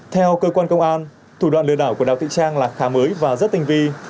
theo cơ quan công an thủ đoạn lừa đảo của đào thị trang là khá mới và rất tinh vi